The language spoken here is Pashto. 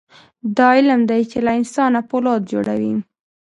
دا علم دی چې له انسان نه فولاد جوړوي.